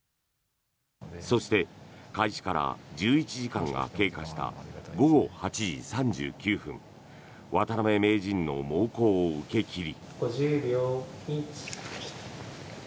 そして、開始から１１時間が経過した午後８時３９分渡辺名人の猛攻を受け切り。